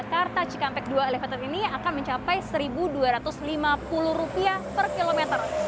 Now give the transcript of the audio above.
jakarta cikampek dua elevated ini akan mencapai rp satu dua ratus lima puluh per kilometer